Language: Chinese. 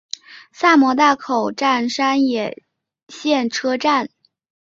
萨摩大口站山野线车站。